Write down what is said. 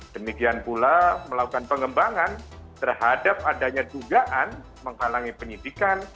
demikian pula melakukan pengembangan terhadap adanya dugaan menghalangi penyidikan